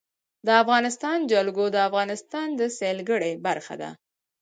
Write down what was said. د افغانستان جلکو د افغانستان د سیلګرۍ برخه ده.